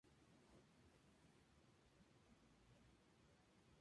Los malones casi cesaron por completo, y la población creció rápidamente.